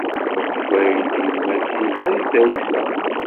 Akeffay n tyemmat yelha i tdawsa.